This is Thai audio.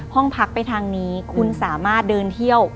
ห้องพักไปทางนี้คุณสามารถเดินเที่ยว